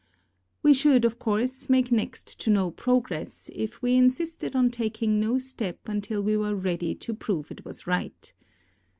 We should, of course, make next to no progress, if we insisted on taking no step until we were ready to prove it was right.